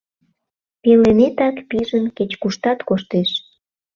Пеленетак пижын кеч-куштат коштеш.